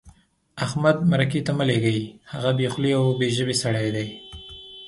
احمد مرکې ته مه لېږئ؛ هغه بې خولې او بې ژبې سړی دی.